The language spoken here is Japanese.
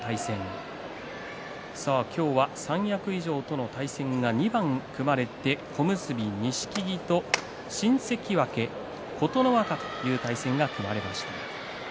今日は三役以上との対戦が２番組まれて小結錦木と新関脇琴ノ若という対戦が組まれました。